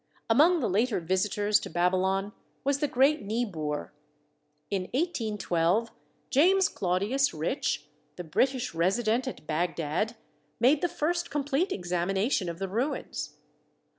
Among the later visitors to Babylon was the great Niebuhr. In 1812, James Claudius Rich, the British Resident at Bagdad, made the first complete examination of the ruins.